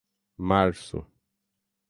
março